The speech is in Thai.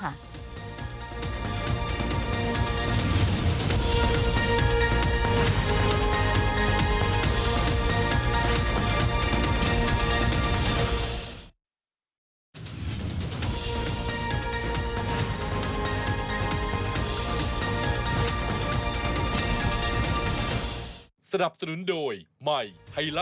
การยิงปืนแบบไหน